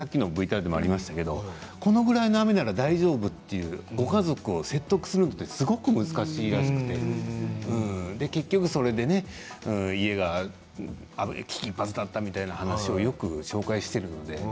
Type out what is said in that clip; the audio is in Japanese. さっきのＶＴＲにもありましたけれどこれぐらいの雨なら大丈夫というご家族を説得するのはすごい難しいらしくて結局、それでね家が危機一髪だったという話を「あさイチ」でもよく紹介しています。